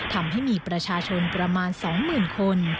ทำให้มีประชาชนประมาณ๒๐๐๐คน